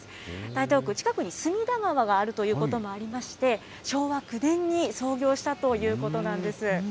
台東区、近くに墨田川があるということもありまして、昭和９年に創業したということなんです。